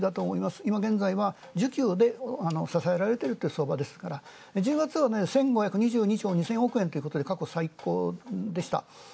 今現在は支えられている相場ですから１０月は１５２２兆２０００億円ということで過去最高でした。